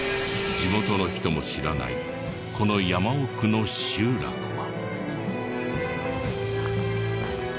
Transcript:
地元の人も知らないこの山奥の集落は。